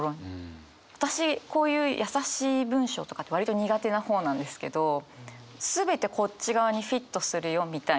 私こういう優しい文章とかって割と苦手な方なんですけど全てこっち側にフィットするよみたいな。